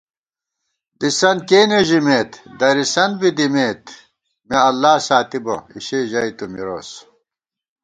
دِسنت کېنےژِمېت، درِسَنت بی دِمېت * “مےاللہ ساتِبہ” اِشےژَئی تُو مِروس